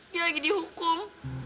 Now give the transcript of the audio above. dia lagi dihukum